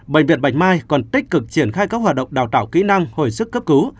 bệnh viện bạch mai còn tích cực triển khai các hoạt động đào tạo kỹ năng hồi sức cấp cứu